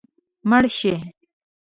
مړه شي